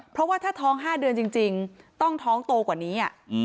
เพราะว่าถ้าท้อง๕เดือนจริงต้องท้องโตกว่านี้